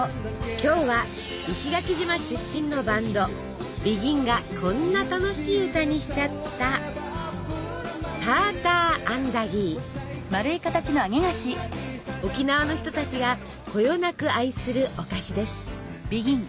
今日は石垣島出身のバンド「ＢＥＧＩＮ」がこんな楽しい歌にしちゃった沖縄の人たちがこよなく愛するお菓子です。